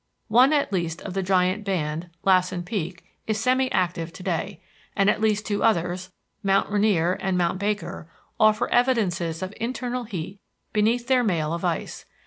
One at least of the giant band, Lassen Peak, is semi active to day. At least two others, Mount Rainier and Mount Baker, offer evidences of internal heat beneath their mail of ice.